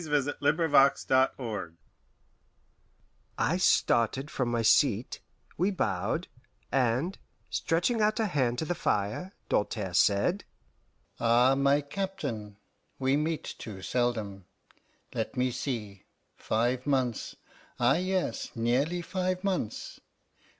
XV. IN THE CHAMBER OF TORTURE I started from my seat; we bowed, and, stretching out a hand to the fire, Doltaire said, "Ah, my Captain, we meet too seldom. Let me see: five months ah yes, nearly five months.